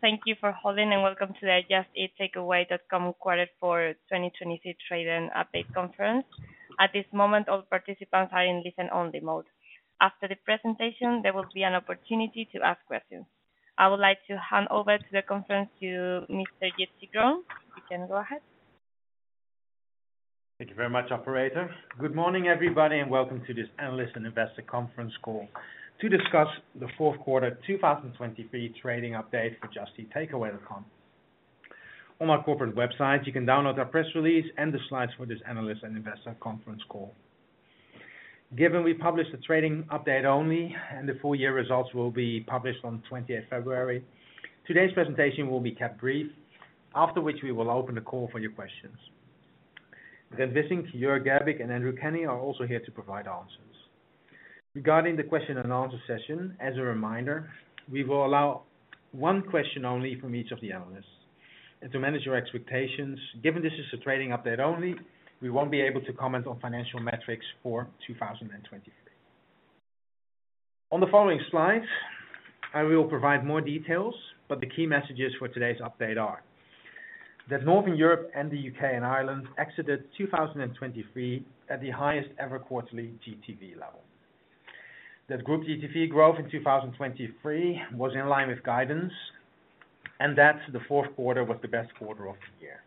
Thank you for holding, and welcome to the Just Eat Takeaway.com Q4 2023 Trading and Update Conference. At this moment, all participants are in listen-only mode. After the presentation, there will be an opportunity to ask questions. I would like to hand over the conference to Mr. Jitse Groen. You can go ahead. Thank you very much, operator. Good morning, everybody, and welcome to this Analyst and Investor Conference Call to discuss the fourth quarter 2023 trading update for Just Eat Takeaway.com. On our corporate website, you can download our press release and the slides for this Analyst and Investor Conference Call. Given we published the trading update only, and the full year results will be published on 20th February, today's presentation will be kept brief, after which we will open the call for your questions. Then Jitse, Jörg Gerbig, and Andrew Kenny are also here to provide answers. Regarding the question and answer session, as a reminder, we will allow one question only from each of the analysts. To manage your expectations, given this is a trading update only, we won't be able to comment on financial metrics for 2023. On the following slide, I will provide more details, but the key messages for today's update are that Northern Europe and the UK and Ireland exited 2023 at the highest ever quarterly GTV level. That group GTV growth in 2023 was in line with guidance, and that the fourth quarter was the best quarter of the year.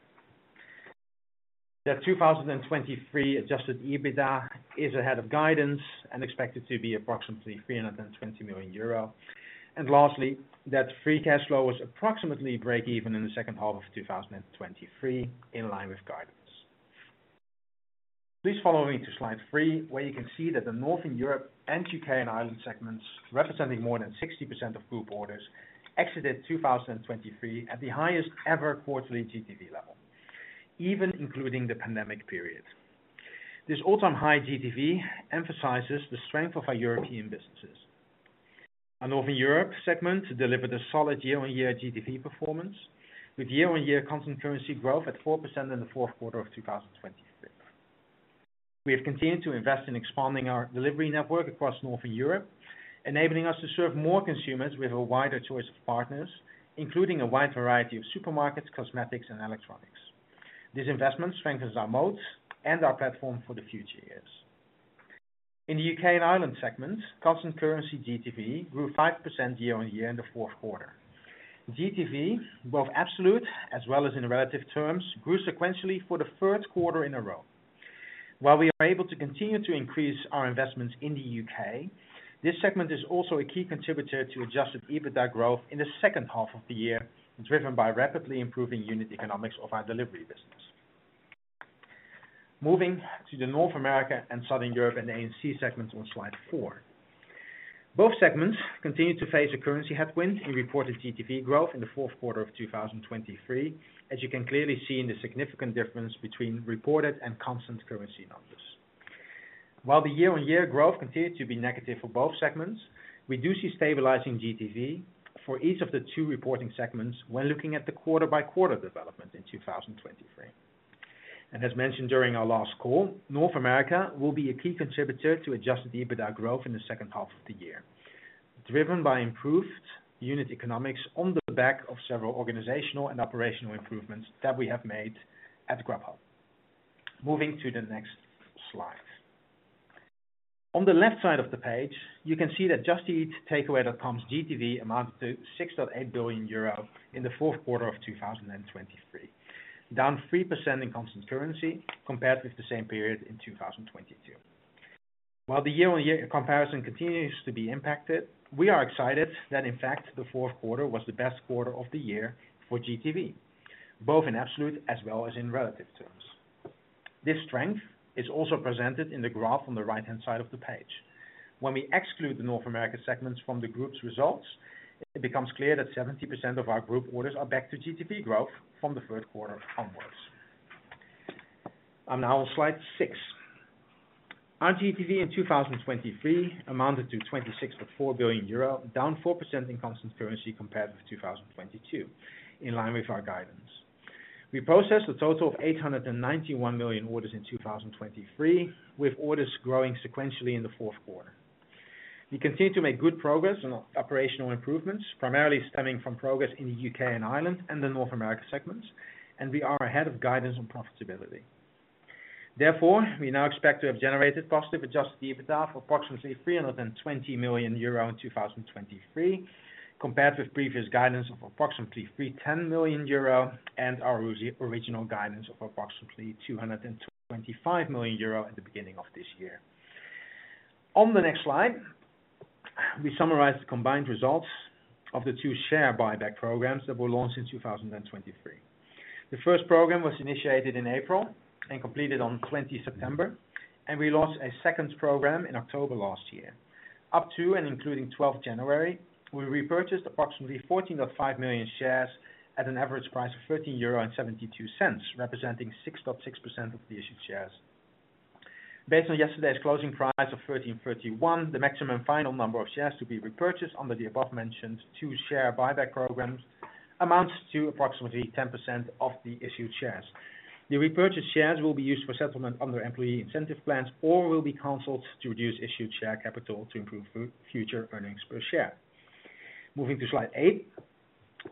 The 2023 adjusted EBITDA is ahead of guidance and expected to be approximately 320 million euro. And lastly, that free cash flow was approximately break even in the second half of 2023, in line with guidance. Please follow me to slide 3, where you can see that the Northern Europe and UK and Ireland segments, representing more than 60% of group orders, exited 2023 at the highest ever quarterly GTV level, even including the pandemic period. This all-time high GTV emphasizes the strength of our European businesses. Our Northern Europe segment delivered a solid year-on-year GTV performance, with year-on-year constant currency growth at 4% in the fourth quarter of 2023. We have continued to invest in expanding our delivery network across Northern Europe, enabling us to serve more consumers with a wider choice of partners, including a wide variety of supermarkets, cosmetics, and electronics. This investment strengthens our moats and our platform for the future years. In the UK and Ireland segment, constant currency GTV grew 5% year-on-year in the fourth quarter. GTV, both absolute as well as in relative terms, grew sequentially for the third quarter in a row. While we are able to continue to increase our investments in the UK, this segment is also a key contributor to Adjusted EBITDA growth in the second half of the year, driven by rapidly improving unit economics of our delivery business. Moving to the North America, Southern Europe, and the ANZ segment on slide 4. Both segments continued to face a currency headwind in reported GTV growth in the fourth quarter of 2023, as you can clearly see in the significant difference between reported and constant currency numbers. While the year-on-year growth continued to be negative for both segments, we do see stabilizing GTV for each of the two reporting segments when looking at the quarter-by-quarter development in 2023. As mentioned during our last call, North America will be a key contributor to adjusted EBITDA growth in the second half of the year, driven by improved unit economics on the back of several organizational and operational improvements that we have made at Grubhub. Moving to the next slide. On the left side of the page, you can see that Just Eat Takeaway.com's GTV amounts to 6.8 billion euro in the fourth quarter of 2023, down 3% in constant currency compared with the same period in 2022. While the year-on-year comparison continues to be impacted, we are excited that in fact, the fourth quarter was the best quarter of the year for GTV, both in absolute as well as in relative terms. This strength is also presented in the graph on the right-hand side of the page. When we exclude the North America segments from the group's results, it becomes clear that 70% of our group orders are back to GTV growth from the third quarter onwards. I'm now on slide 6. Our GTV in 2023 amounted to 26.4 billion euro, down 4% in constant currency compared with 2022, in line with our guidance. We processed a total of 891 million orders in 2023, with orders growing sequentially in the fourth quarter. We continue to make good progress on operational improvements, primarily stemming from progress in the UK and Ireland and the North America segments, and we are ahead of guidance on profitability. Therefore, we now expect to have generated positive Adjusted EBITDA of approximately 320 million euro in 2023, compared with previous guidance of approximately 310 million euro and our original guidance of approximately 225 million euro at the beginning of this year. On the next slide, we summarize the combined results of the two share buyback programs that were launched in 2023. The first program was initiated in April and completed on 20 September, and we launched a second program in October last year. Up to and including 12 January, we repurchased approximately 14.5 million shares at an average price of EUR 13.72, representing 6.6% of the issued shares. Based on yesterday's closing price of 13.31, the maximum final number of shares to be repurchased under the abovementioned two share buyback programs amounts to approximately 10% of the issued shares. The repurchased shares will be used for settlement under employee incentive plans, or will be canceled to reduce issued share capital to improve future earnings per share. Moving to slide 8,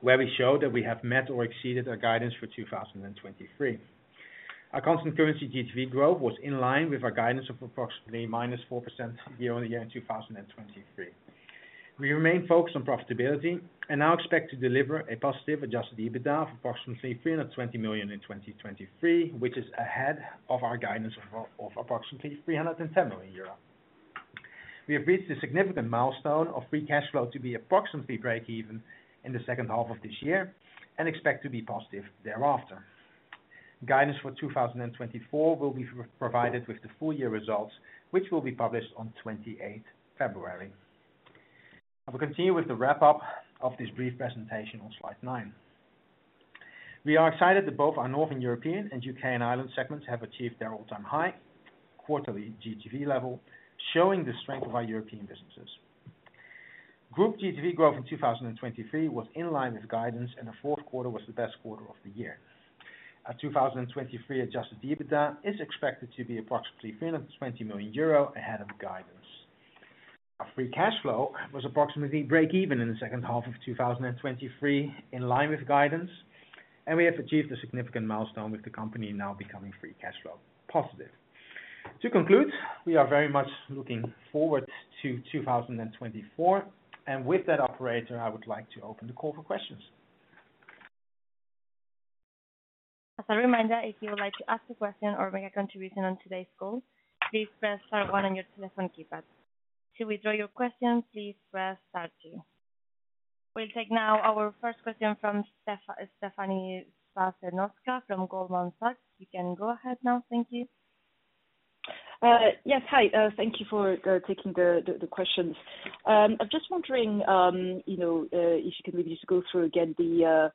where we show that we have met or exceeded our guidance for 2023. Our constant currency GTV growth was in line with our guidance of approximately -4% year-on-year in 2023. We remain focused on profitability and now expect to deliver a positive adjusted EBITDA of approximately 320 million in 2023, which is ahead of our guidance of approximately 310 million euro. We have reached a significant milestone of free cash flow to be approximately breakeven in the second half of this year and expect to be positive thereafter. Guidance for 2024 will be provided with the full year results, which will be published on 28 February. I will continue with the wrap-up of this brief presentation on slide 9. We are excited that both our Northern European and UK and Ireland segments have achieved their all-time high quarterly GTV level, showing the strength of our European businesses. Group GTV growth in 2023 was in line with guidance, and the fourth quarter was the best quarter of the year. Our 2023 Adjusted EBITDA is expected to be approximately 320 million euro ahead of guidance. Our free cash flow was approximately breakeven in the second half of 2023, in line with guidance, and we have achieved a significant milestone with the company now becoming free cash flow positive. To conclude, we are very much looking forward to 2024, and with that operator, I would like to open the call for questions. As a reminder, if you would like to ask a question or make a contribution on today's call, please press star one on your telephone keypad. To withdraw your question, please press star two. We'll take now our first question from Stephanie Shishido from Goldman Sachs. You can go ahead now. Thank you. Yes. Hi. Thank you for taking the questions. I'm just wondering, you know, if you can maybe just go through again the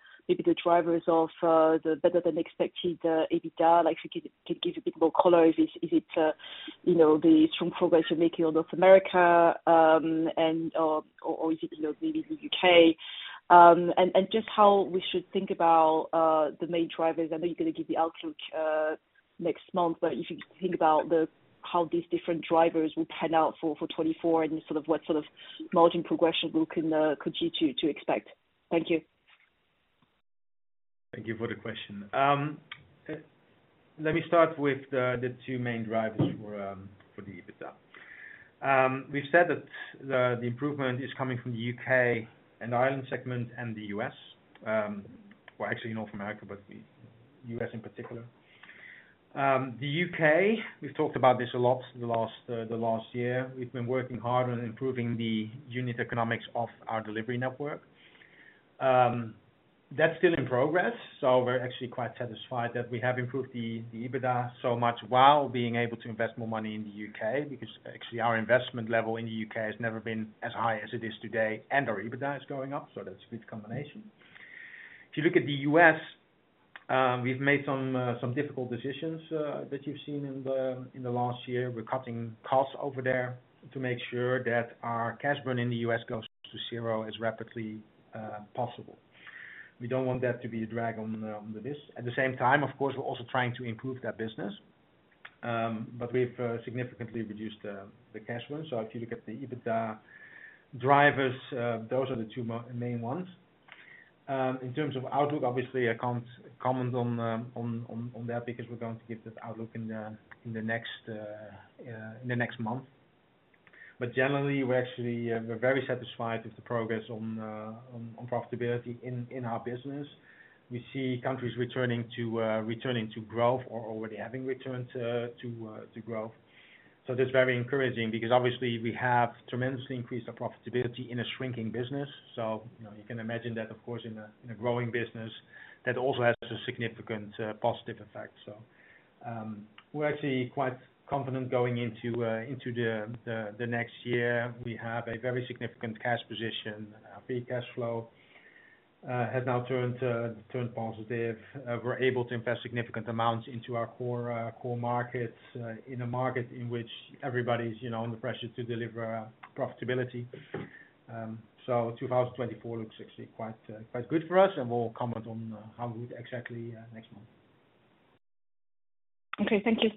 drivers of the better than expected EBITDA. Like, if you can give a bit more color. Is it, you know, the strong progress you're making on North America, and or is it, you know, maybe the UK? And just how we should think about the main drivers. I know you're gonna give the outlook next month, but if you could think about how these different drivers will pan out for 2024 and sort of what sort of margin progression we can continue to expect. Thank you. Thank you for the question. Let me start with the two main drivers for the EBITDA. We've said that the improvement is coming from the UK and Ireland segment and the US, well, actually North America, but the US in particular. The UK, we've talked about this a lot the last year. We've been working hard on improving the unit economics of our delivery network. That's still in progress, so we're actually quite satisfied that we have improved the EBITDA so much while being able to invest more money in the UK, because actually our investment level in the UK has never been as high as it is today, and our EBITDA is going up, so that's a good combination. If you look at the US, we've made some difficult decisions that you've seen in the last year. We're cutting costs over there to make sure that our cash burn in the US goes to zero as rapidly possible. We don't want that to be a drag on the business. At the same time, of course, we're also trying to improve that business. But we've significantly reduced the cash burn. So if you look at the EBITDA drivers, those are the two main ones. In terms of outlook, obviously, I can't comment on that because we're going to give this outlook in the next month. But generally, we're actually very satisfied with the progress on profitability in our business. We see countries returning to growth or already having returned to growth. So that's very encouraging because obviously we have tremendously increased our profitability in a shrinking business. So you know, you can imagine that, of course, in a growing business, that also has a significant positive effect. So, we're actually quite confident going into the next year. We have a very significant cash position. Our Free Cash Flow has now turned positive. We're able to invest significant amounts into our core markets in a market in which everybody's, you know, under pressure to deliver profitability. 2024 looks actually quite, quite good for us, and we'll comment on how good exactly next month. Okay. Thank you.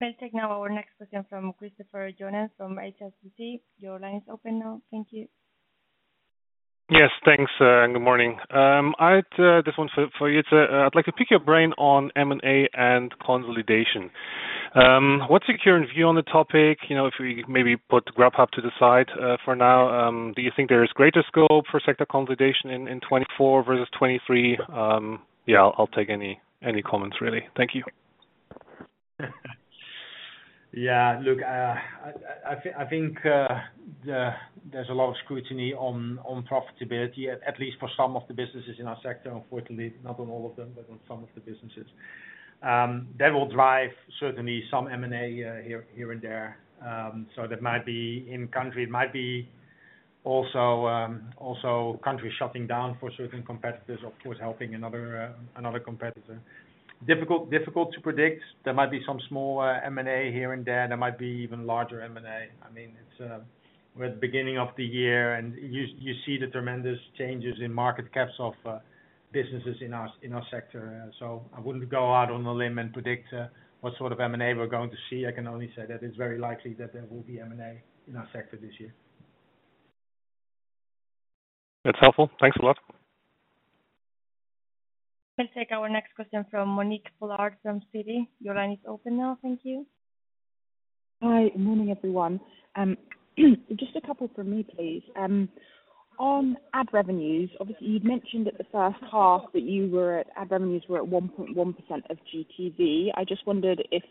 We'll take now our next question from Christopher Johnen from HSBC. Your line is open now. Thank you. Yes, thanks. Good morning. I'd like to pick your brain on M&A and consolidation. What's your current view on the topic? You know, if we maybe put Grubhub to the side for now, do you think there is greater scope for sector consolidation in 2024 versus 2023? Yeah, I'll take any comments, really. Thank you. Yeah, look, I think there's a lot of scrutiny on profitability, at least for some of the businesses in our sector. Unfortunately, not on all of them, but on some of the businesses. That will drive certainly some M&A here and there. So that might be in country, it might be also countries shutting down for certain competitors, of course, helping another competitor. Difficult to predict. There might be some small M&A here and there. There might be even larger M&A. I mean, we're at the beginning of the year, and you see the tremendous changes in market caps of businesses in our sector. So I wouldn't go out on a limb and predict what sort of M&A we're going to see. I can only say that it's very likely that there will be M&A in our sector this year. That's helpful. Thanks a lot. We'll take our next question from Monique Pollard from Citi. Your line is open now. Thank you. Hi. Good morning, everyone. Just a couple from me, please. On ad revenues, obviously, you'd mentioned at the first half that you were ad revenues were at 1.1% of GTV. I just wondered if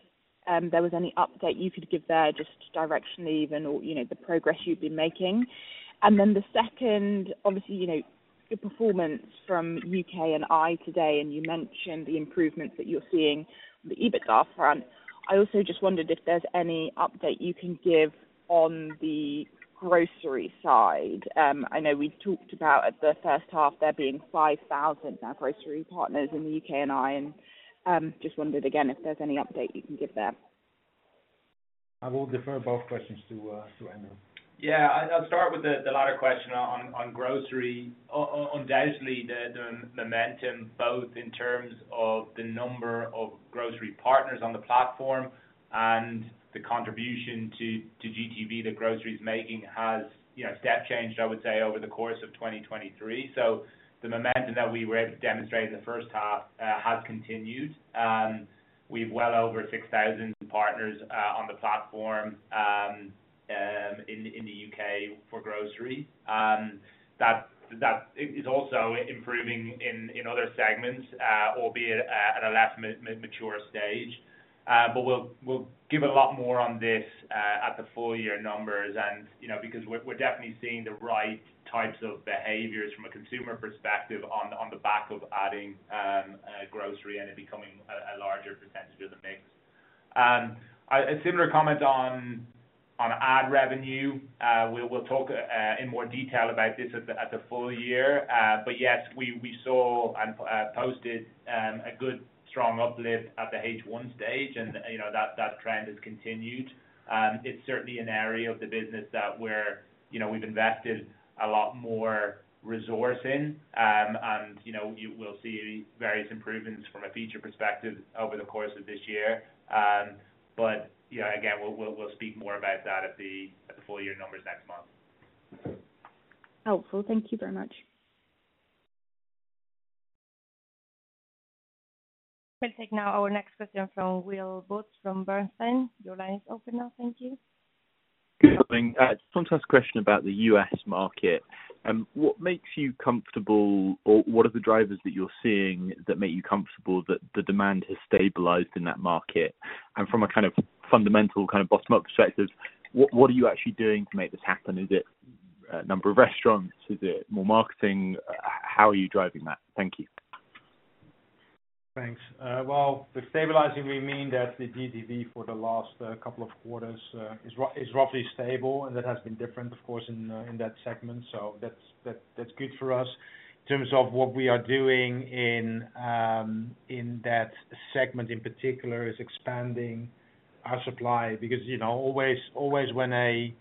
there was any update you could give there, just directionally even, or, you know, the progress you've been making. And then the second, obviously, you know, the performance from UK&I today, and you mentioned the improvements that you're seeing on the EBITDA front. I also just wondered if there's any update you can give on the grocery side. I know we talked about at the first half there being 5,000 grocery partners in the UK&I, and just wondered again if there's any update you can give there. I will defer both questions to, to Andrew. Yeah. I'll start with the latter question on grocery. Undoubtedly, the momentum, both in terms of the number of grocery partners on the platform and the contribution to GTV, that grocery is making, has, you know, step changed, I would say, over the course of 2023. So the momentum that we were able to demonstrate in the first half has continued. We've well over 6,000 partners on the platform in the UK for grocery. That is also improving in other segments, albeit at a less mature stage. But we'll give a lot more on this at the full year numbers. You know, because we're definitely seeing the right types of behaviors from a consumer perspective on the back of adding grocery and it becoming a larger percentage of the mix. A similar comment on ad revenue. We will talk in more detail about this at the full year. But yes, we saw and posted a good strong uplift at the H1 stage, and you know, that trend has continued. It's certainly an area of the business that we're, you know, we've invested a lot more resource in. And you know, you will see various improvements from a feature perspective over the course of this year. But you know, again, we'll speak more about that at the full year numbers next month. Helpful. Thank you very much. We'll take now our next question from Will Woods from Bernstein. Your line is open now. Thank you. Good evening. Just want to ask a question about the U.S. market. What makes you comfortable or what are the drivers that you're seeing that make you comfortable that the demand has stabilized in that market? And from a kind of fundamental, kind of bottom-up perspective, what, what are you actually doing to make this happen? Is it number of restaurants? Is it more marketing? How are you driving that? Thank you. Thanks. Well, with stabilizing, we mean that the GTV for the last couple of quarters is roughly stable, and that has been different, of course, in that segment. So that's good for us. In terms of what we are doing in that segment in particular, is expanding our supply. Because, you know, always when a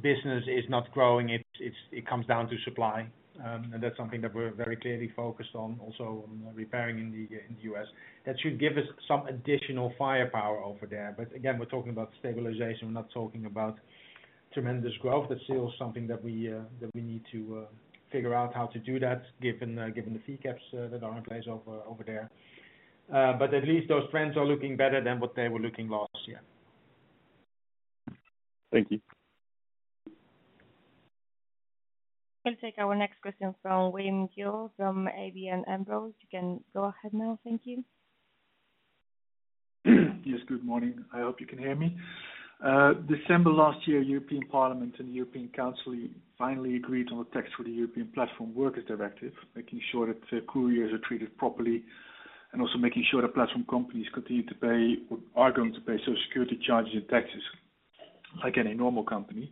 business is not growing, it's it comes down to supply. And that's something that we're very clearly focused on, also on repairing in the US. That should give us some additional firepower over there. But again, we're talking about stabilization, we're not talking about tremendous growth. That's still something that we need to figure out how to do that, given the fee caps that are in place over there. But at least those trends are looking better than what they were looking last year. Thank you. We'll take our next question from Wim Gille from ABN AMRO. You can go ahead now. Thank you. Yes, good morning. I hope you can hear me. December last year, European Parliament and the European Council finally agreed on the text for the European Platform Workers Directive, making sure that, couriers are treated properly, and also making sure that platform companies continue to pay... or are going to pay Social Security charges and taxes, like any normal company.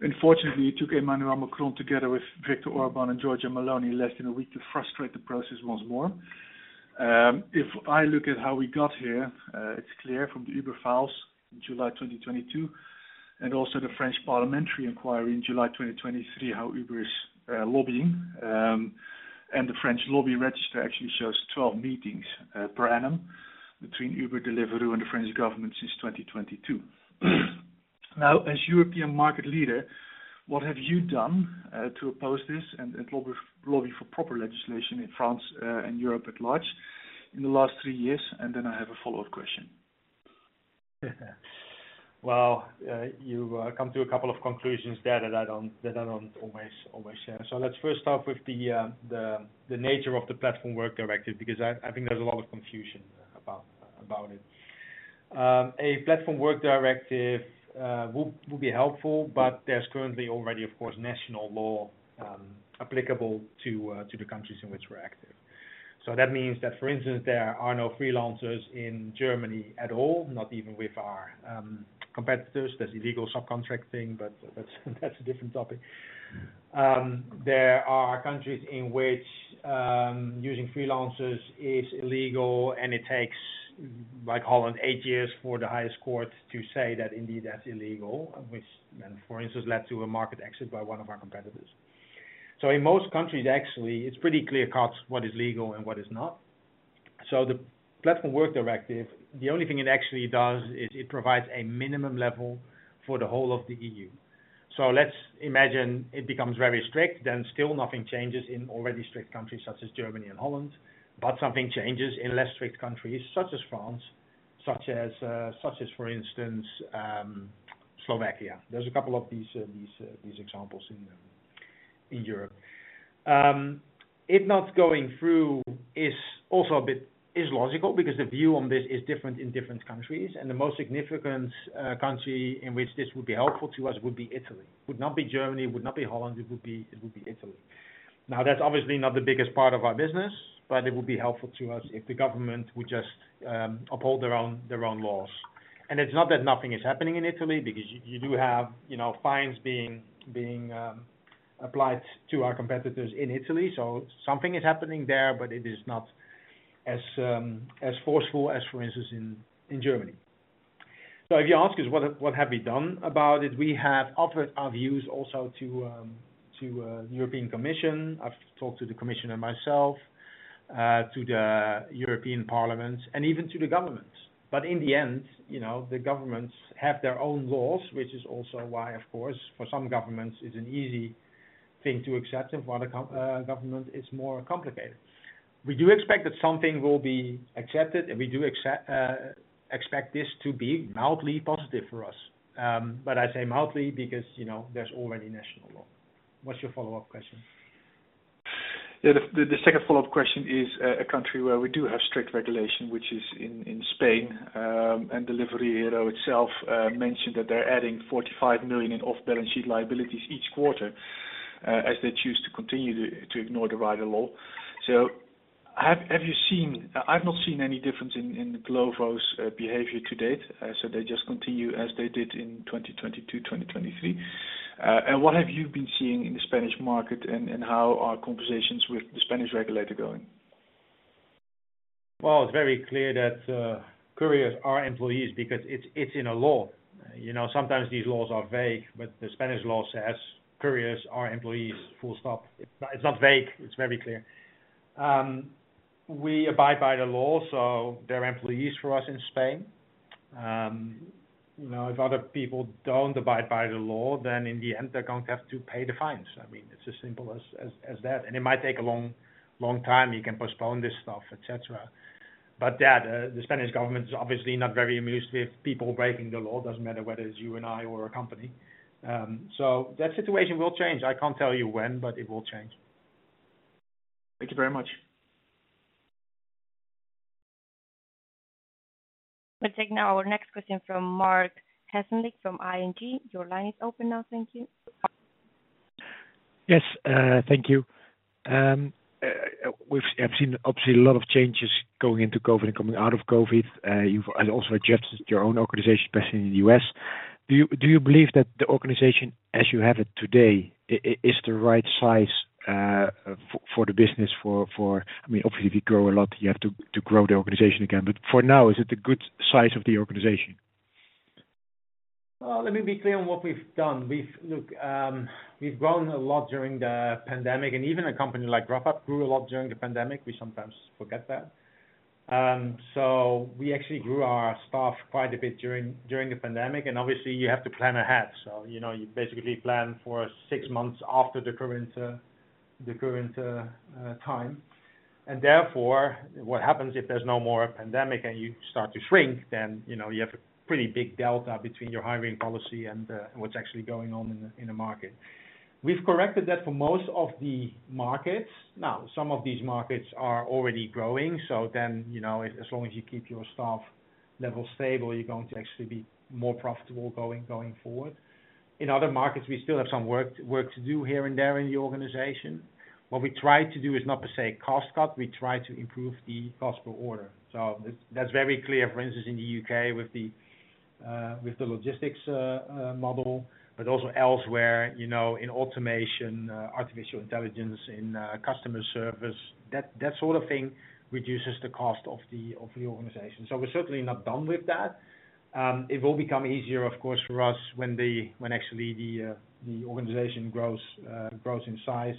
Unfortunately, it took Emmanuel Macron, together with Viktor Orbán and Giorgia Meloni, less than a week to frustrate the process once more. If I look at how we got here, it's clear from the Uber Files in July 2022, and also the French parliamentary inquiry in July 2023, how Uber is, lobbying. And the French lobby register actually shows 12 meetings, per annum between Uber, Deliveroo, and the French government since 2022. Now, as European market leader, what have you done to oppose this and lobby for proper legislation in France and Europe at large in the last three years? And then I have a follow-up question. Well, you come to a couple of conclusions there that I don't always share. So let's first start with the nature of the Platform Workers Directive, because I think there's a lot of confusion about it. A Platform Workers Directive would be helpful, but there's currently already, of course, national law applicable to the countries in which we're active. So that means that, for instance, there are no freelancers in Germany at all, not even with our competitors. There's illegal subcontracting, but that's a different topic. There are countries in which using freelancers is illegal, and it takes, like Holland, eight years for the highest court to say that indeed, that's illegal, which, for instance, led to a market exit by one of our competitors. So in most countries, actually, it's pretty clear-cut what is legal and what is not. So the Platform Workers Directive, the only thing it actually does, is it provides a minimum level for the whole of the EU. So let's imagine it becomes very strict, then still nothing changes in already strict countries such as Germany and Holland, but something changes in less strict countries such as France, such as, such as, for instance, Slovakia. There's a couple of these, these, these examples in, in Europe. It not going through is also a bit is logical because the view on this is different in different countries, and the most significant, country in which this would be helpful to us would be Italy. Would not be Germany, would not be Holland, it would be, it would be Italy. Now, that's obviously not the biggest part of our business, but it would be helpful to us if the government would just uphold their own laws. And it's not that nothing is happening in Italy, because you do have, you know, fines being applied to our competitors in Italy. So something is happening there, but it is not as forceful as, for instance, in Germany. So if you ask us, what have we done about it? We have offered our views also to the European Commission. I've talked to the commissioner myself to the European Parliament and even to the governments. But in the end, you know, the governments have their own laws, which is also why, of course, for some governments, it's an easy thing to accept, and for other count... Government, it's more complicated. We do expect that something will be accepted, and we do expect this to be mildly positive for us. But I say mildly, because, you know, there's already national law. What's your follow-up question? Yeah, the second follow-up question is, a country where we do have strict regulation, which is in Spain, and Delivery Hero itself mentioned that they're adding 45 million in off-balance sheet liabilities each quarter, as they choose to continue to ignore the Rider Law. So have you seen—I've not seen any difference in Glovo's behavior to date, so they just continue as they did in 2022, 2023. And what have you been seeing in the Spanish market, and how are conversations with the Spanish regulator going? Well, it's very clear that couriers are employees because it's in a law. You know, sometimes these laws are vague, but the Spanish law says couriers are employees, full stop. It's not vague, it's very clear. We abide by the law, so they're employees for us in Spain. You know, if other people don't abide by the law, then in the end, they're going to have to pay the fines. I mean, it's as simple as that, and it might take a long, long time. You can postpone this stuff, et cetera. But that, the Spanish government is obviously not very amused with people breaking the law, doesn't matter whether it's you and I or a company. So that situation will change. I can't tell you when, but it will change. Thank you very much. We'll take now our next question from Marc Hesselink, from ING. Your line is open now. Thank you. Yes, thank you. We've seen obviously a lot of changes going into COVID and coming out of COVID. You've also adjusted your own organization, especially in the U.S. Do you believe that the organization as you have it today is the right size for the business? I mean, obviously, if you grow a lot, you have to grow the organization again. But for now, is it a good size of the organization? Well, let me be clear on what we've done. We've, look, we've grown a lot during the pandemic, and even a company like Grub grew a lot during the pandemic. We sometimes forget that. So we actually grew our staff quite a bit during the pandemic, and obviously, you have to plan ahead. So, you know, you basically plan for six months after the current, the current, time. And therefore, what happens if there's no more pandemic and you start to shrink, then, you know, you have a pretty big delta between your hiring policy and, what's actually going on in the, in the market. We've corrected that for most of the markets. Now, some of these markets are already growing, so then, you know, as long as you keep your staff level stable, you're going to actually be more profitable going forward. In other markets, we still have some work to do here and there in the organization. What we try to do is not to say cost cut, we try to improve the cost per order. So that's very clear, for instance, in the UK, with the logistics model, but also elsewhere, you know, in automation, artificial intelligence, in customer service, that sort of thing reduces the cost of the organization. So we're certainly not done with that. It will become easier, of course, for us, when actually the organization grows in size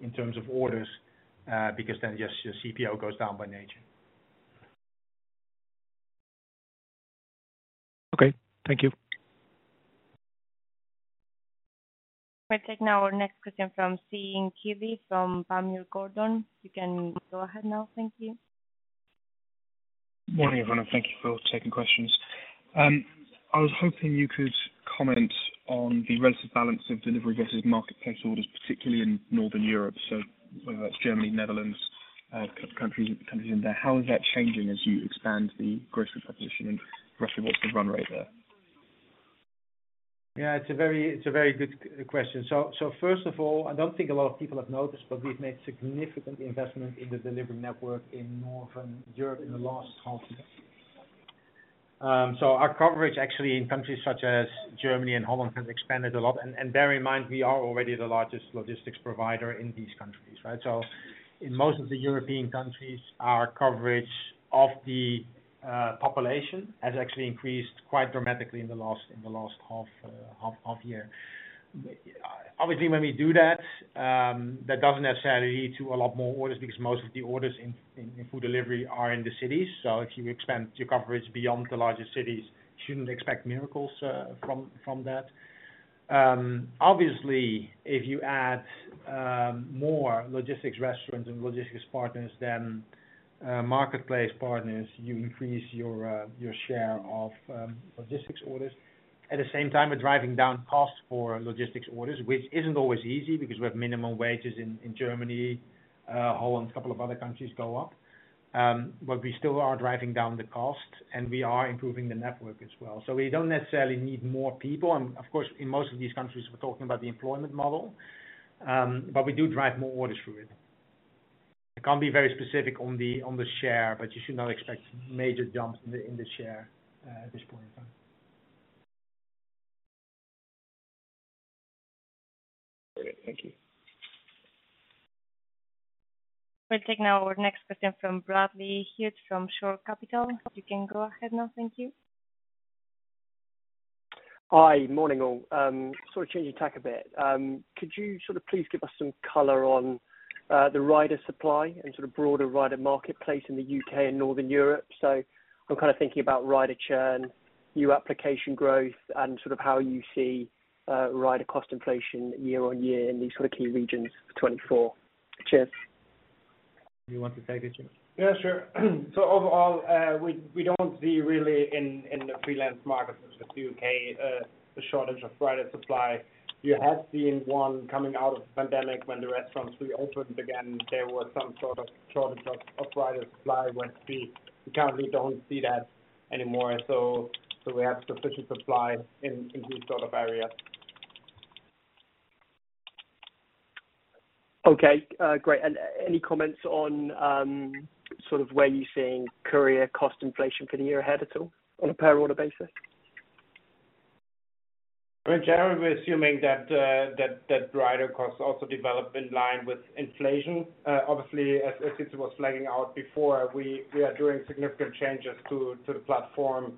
in terms of orders, because then, yes, your CPO goes down by nature. Okay, thank you. We'll take now our next question from Sean Kealy from Panmure Gordon. You can go ahead now. Thank you. Morning, everyone, and thank you for taking questions. I was hoping you could comment on the relative balance of delivery versus marketplace orders, particularly in Northern Europe, so whether that's Germany, Netherlands, countries in there. How is that changing as you expand the grocery proposition and grocery wants to run right there?... Yeah, it's a very good question. So first of all, I don't think a lot of people have noticed, but we've made significant investment in the delivery network in Northern Europe in the last half year. So our coverage actually in countries such as Germany and Holland has expanded a lot. And bear in mind, we are already the largest logistics provider in these countries, right? So in most of the European countries, our coverage of the population has actually increased quite dramatically in the last half year. Obviously, when we do that, that doesn't necessarily lead to a lot more orders, because most of the orders in food delivery are in the cities. So if you expand your coverage beyond the larger cities, you shouldn't expect miracles, from that. Obviously, if you add more logistics, restaurants and logistics partners, then marketplace partners, you increase your share of logistics orders. At the same time, we're driving down costs for logistics orders, which isn't always easy because we have minimum wages in Germany, Holland, a couple of other countries go up. But we still are driving down the cost, and we are improving the network as well. So we don't necessarily need more people. And of course, in most of these countries, we're talking about the employment model, but we do drive more orders through it. I can't be very specific on the share at this point in time. Great. Thank you. We'll take now our next question from Bradley Hughes, from Shore Capital. You can go ahead now. Thank you. Hi, morning all. Sort of changing tack a bit. Could you sort of please give us some color on, the rider supply and sort of broader rider marketplace in the UK and Northern Europe? So I'm kind of thinking about rider churn, new application growth, and sort of how you see rider cost inflation year on year in these sort of key regions for 2024. Cheers. You want to take it, Jörg? Yeah, sure. So overall, we don't see really in the freelance market, such as the UK, a shortage of rider supply. You have seen one coming out of the pandemic when the restaurants reopened again; there was some sort of shortage of rider supply, which we currently don't see that anymore. So we have sufficient supply in this sort of area. Okay, great. And any comments on sort of where you're seeing courier cost inflation for the year ahead at all, on a per order basis? Well, generally, we're assuming that rider costs also develop in line with inflation. Obviously, as it was flagging out before, we are doing significant changes to the platform.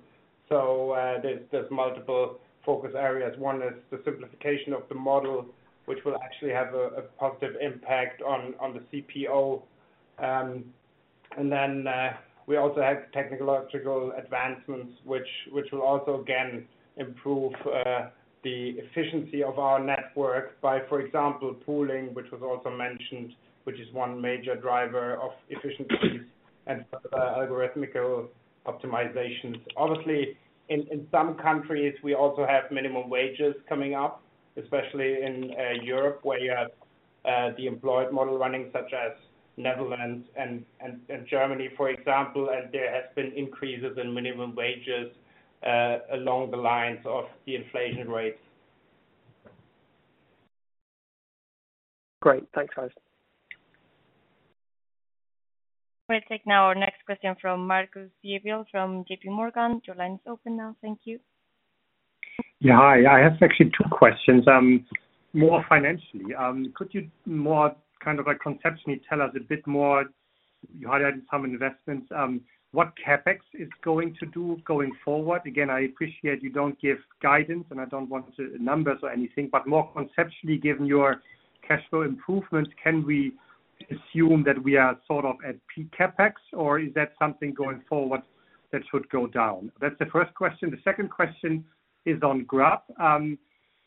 So, there's multiple focus areas. One is the simplification of the model, which will actually have a positive impact on the CPO. And then, we also have technological advancements, which will also again improve the efficiency of our network by, for example, pooling, which was also mentioned, which is one major driver of efficiencies and algorithmic optimizations. Obviously, in some countries, we also have minimum wages coming up, especially in Europe, where you have the employed model running, such as Netherlands and Germany, for example. And there has been increases in minimum wages along the lines of the inflation rates. Great. Thanks, guys. We'll take now our next question from Marcus Diebel, from J.P. Morgan. Your line is open now. Thank you. Yeah, hi. I have actually two questions. More financially. Could you more kind of like conceptually tell us a bit more, you highlighted some investments, what CapEx is going to do going forward? Again, I appreciate you don't give guidance, and I don't want the numbers or anything, but more conceptually, given your cash flow improvement, can we assume that we are sort of at peak CapEx, or is that something going forward that should go down? That's the first question. The second question is on Grubhub.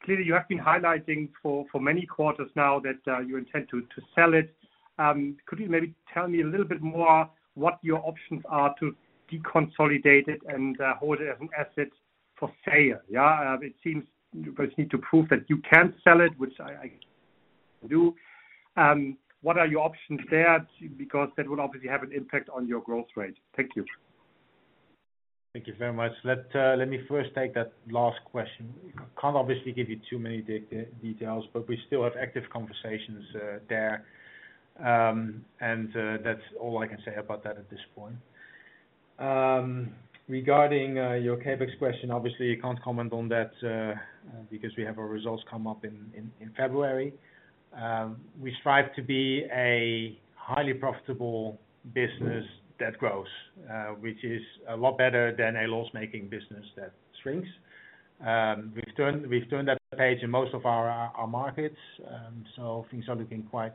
Clearly, you have been highlighting for many quarters now that you intend to sell it. Could you maybe tell me a little bit more what your options are to deconsolidate it and hold it as an asset for sale? Yeah, it seems you first need to prove that you can sell it, which I do. What are your options there? Because that will obviously have an impact on your growth rate. Thank you. Thank you very much. Let me first take that last question. I can't obviously give you too many details, but we still have active conversations there. That's all I can say about that at this point. Regarding your CapEx question, obviously, I can't comment on that because we have our results come up in February. We strive to be a highly profitable business that grows, which is a lot better than a loss-making business that shrinks. We've turned that page in most of our markets, so things are looking quite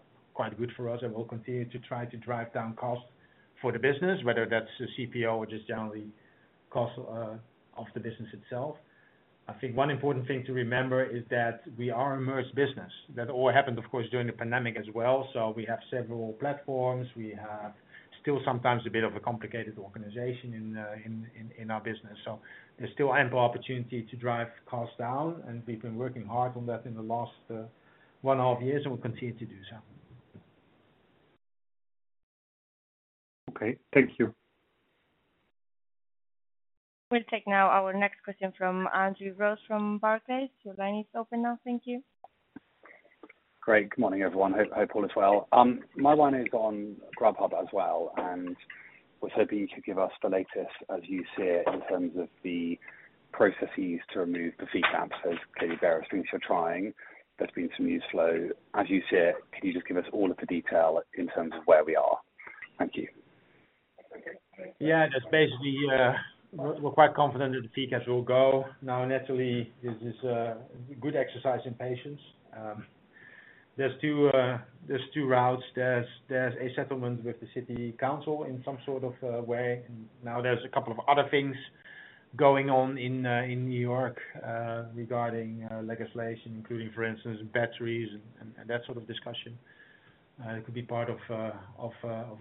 good for us, and we'll continue to try to drive down costs for the business, whether that's the CPO or just generally cost of the business itself. I think one important thing to remember is that we are a merged business. That all happened, of course, during the pandemic as well, so we have several platforms. We have still sometimes a bit of a complicated organization in our business, so there's still ample opportunity to drive costs down, and we've been working hard on that in the last one half years, and we'll continue to do so. Okay, thank you. We'll take now our next question from Andrew Ross from Barclays. Your line is open now. Thank you. Great. Good morning, everyone. Hope, hope all is well. My one is on Grubhub as well, and was hoping you could give us the latest, as you see it, in terms of the processes to remove the Fee Caps. There's clearly various things you're trying. There's been some news slow. As you see it, can you just give us all of the detail in terms of where we are? Thank you. Yeah, just basically, we're quite confident that the fee caps will go. Now, naturally, this is good exercise in patience. There's two routes. There's a settlement with the city council in some sort of way. Now, there's a couple of other things going on in New York regarding legislation, including, for instance, batteries and that sort of discussion. It could be part of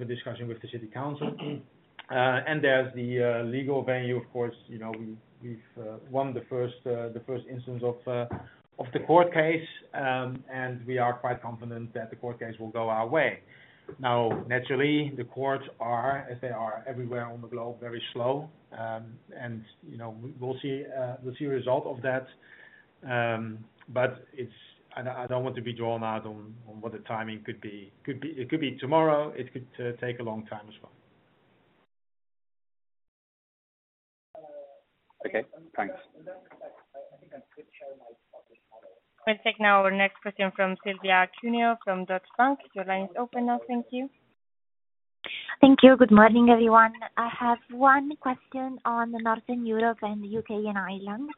a discussion with the city council. And there's the legal venue of course, you know, we've won the first instance of the court case. And we are quite confident that the court case will go our way. Now, naturally, the courts are, as they are everywhere on the globe, very slow. And, you know, we'll see a result of that. But it's... I don't want to be drawn out on what the timing could be. It could be tomorrow, it could take a long time as well. Okay, thanks. We'll take now our next question from Silvia Cuneo from Deutsche Bank. Your line is open now. Thank you. Thank you. Good morning, everyone. I have one question on Northern Europe and UK and Ireland,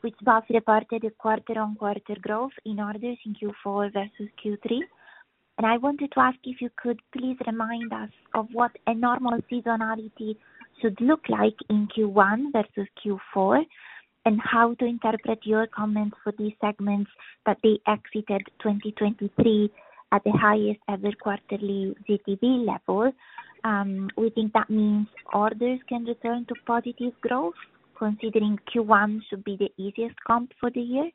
which both reported a quarter-on-quarter growth in orders in Q4 versus Q3. And I wanted to ask if you could please remind us of what a normal seasonality should look like in Q1 versus Q4, and how to interpret your comments for these segments that they exited 2023 at the highest ever quarterly GTV levels. We think that means orders can return to positive growth, considering Q1 should be the easiest comp for the year?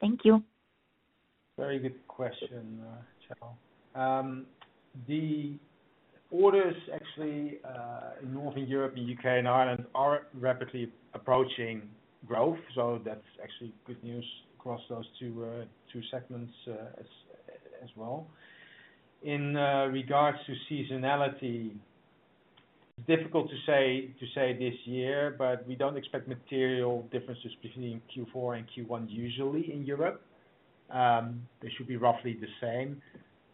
Thank you. Very good question, Cheryl. The orders actually in Northern Europe and UK and Ireland are rapidly approaching growth, so that's actually good news across those two, two segments, as well. In regards to seasonality, difficult to say this year, but we don't expect material differences between Q4 and Q1 usually in Europe. They should be roughly the same.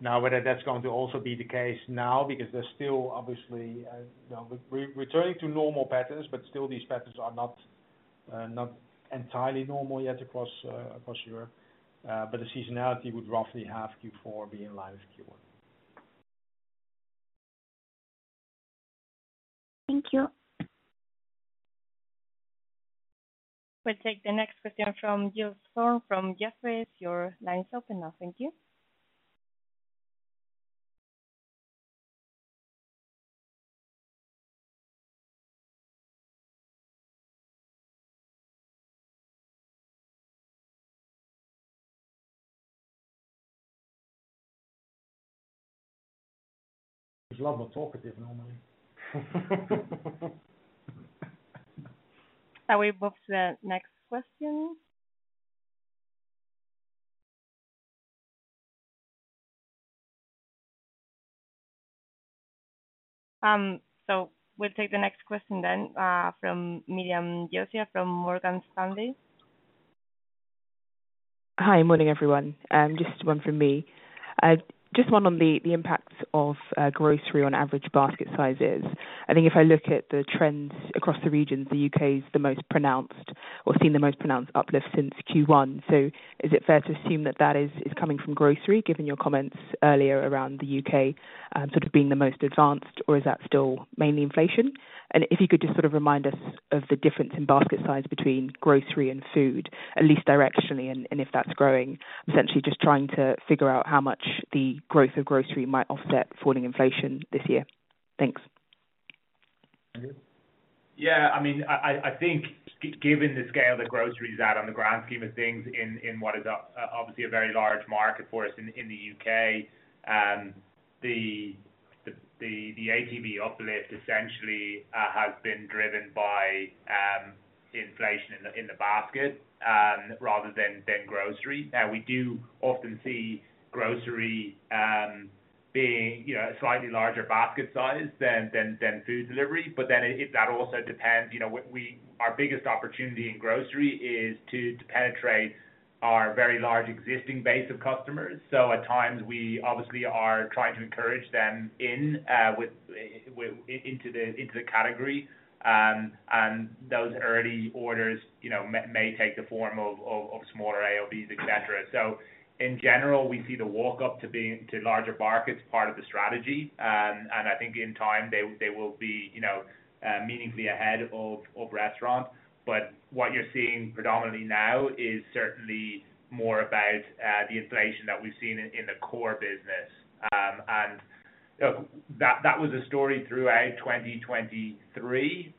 Now, whether that's going to also be the case now, because there's still obviously, you know, we're returning to normal patterns, but still these patterns are not not entirely normal yet across across Europe. But the seasonality would roughly have Q4 being live Q1. Thank you. We'll take the next question from Giles Thorne from Jefferies. Your line is open now. Thank you. She's a lot more talkative normally. We move to the next question. So we'll take the next question then, from Miriam Adisa, from Morgan Stanley. Hi, morning, everyone. Just one from me. Just one on the, the impacts of grocery on average basket sizes. I think if I look at the trends across the regions, the UK is the most pronounced or seen the most pronounced uplift since Q1. So is it fair to assume that that is, is coming from grocery, given your comments earlier around the UK sort of being the most advanced, or is that still mainly inflation? And if you could just sort of remind us of the difference in basket size between grocery and food, at least directionally, and, and if that's growing. I'm essentially just trying to figure out how much the growth of grocery might offset falling inflation this year. Thanks. Thank you. Yeah, I mean, I think given the scale that grocery is at, on the grand scheme of things, in what is obviously a very large market for us in the UK, the ATV uplift essentially has been driven by inflation in the basket rather than grocery. Now, we do often see grocery being, you know, a slightly larger basket size than food delivery. But then it, that also depends, you know, our biggest opportunity in grocery is to penetrate our very large existing base of customers. So at times, we obviously are trying to encourage them into the category. And those early orders, you know, may take the form of smaller AOVs, et cetera. So in general, we see the walk up to being to larger markets part of the strategy. And I think in time they will be, you know, meaningfully ahead of of restaurant. But what you're seeing predominantly now is certainly more about the inflation that we've seen in the core business. And that was a story throughout 2023.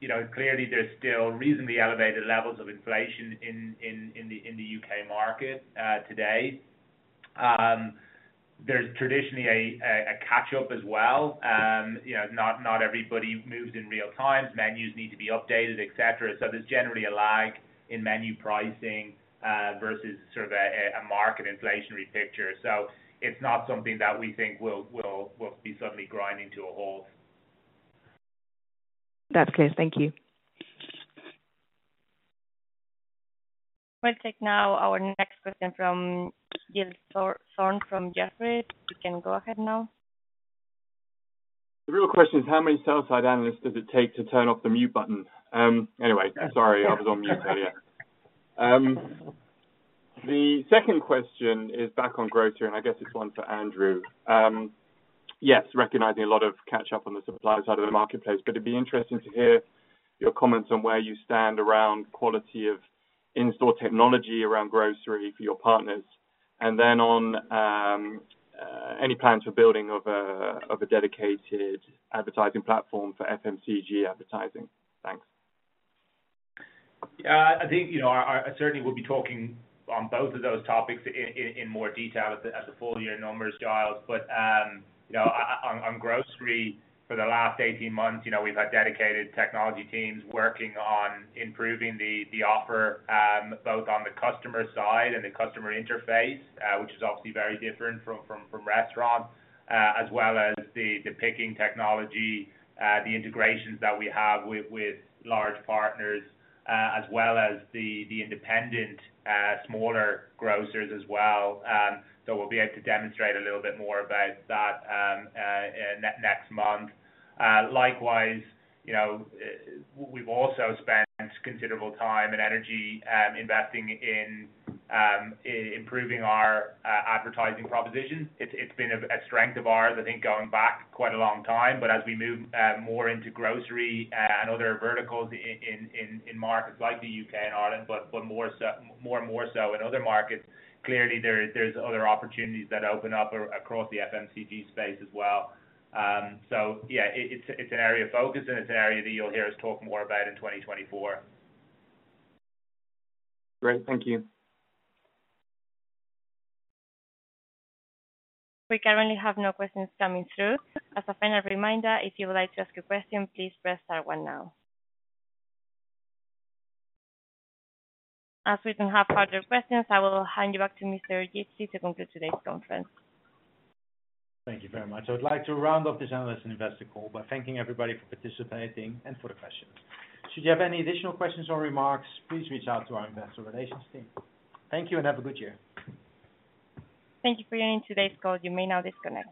You know, clearly there's still reasonably elevated levels of inflation in the UK market today. There's traditionally a catch up as well. You know, not everybody moves in real time. Menus need to be updated, et cetera. So there's generally a lag in menu pricing versus sort of a market inflationary picture. So it's not something that we think will be suddenly grinding to a halt. That's clear. Thank you. We'll take now our next question from Giles Thorne from Jefferies. You can go ahead now. The real question is, how many sell-side analysts does it take to turn off the mute button? Anyway, sorry, I was on mute earlier. The second question is back on grocery, and I guess it's one for Andrew. Yes, recognizing a lot of catch up on the supply side of the marketplace, but it'd be interesting to hear your comments on where you stand around quality of in-store technology around grocery for your partners, and then on any plans for building of a dedicated advertising platform for FMCG advertising? Thanks. Yeah, I think, you know, I certainly will be talking on both of those topics in more detail at the full year numbers, Giles. But you know, on grocery for the last 18 months, you know, we've had dedicated technology teams working on improving the offer both on the customer side and the customer interface, which is obviously very different from restaurants. As well as the picking technology, the integrations that we have with large partners, as well as the independent smaller grocers as well. So we'll be able to demonstrate a little bit more about that next month. Likewise, you know, we've also spent considerable time and energy investing in improving our advertising proposition. It's been a strength of ours, I think, going back quite a long time. But as we move more into grocery and other verticals in markets like the UK and Ireland, but more so—more and more so in other markets, clearly there's other opportunities that open up across the FMCG space as well. So yeah, it's an area of focus, and it's an area that you'll hear us talk more about in 2024. Great. Thank you. We currently have no questions coming through. As a final reminder, if you would like to ask a question, please press star one now. As we don't have further questions, I will hand you back to Mr. Jitse to conclude today's conference. Thank you very much. I would like to round off this analyst and investor call by thanking everybody for participating and for the questions. Should you have any additional questions or remarks, please reach out to our investor relations team. Thank you and have a good year. Thank you for joining today's call. You may now disconnect.